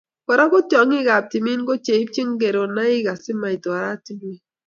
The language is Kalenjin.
Kora ko tiongikab timin kechobchi keronaik asimait oratinwek